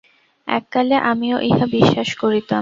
এককালে আমিও ইহা বিশ্বাস করিতাম।